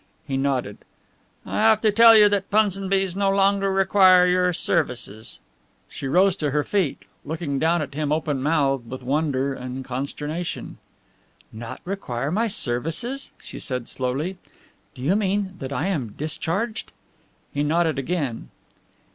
He nodded. "I have to tell you that Punsonby's no longer require your services." She rose to her feet, looking down at him open mouthed with wonder and consternation. "Not require my services?" she said slowly. "Do you mean that I am discharged?" He nodded again.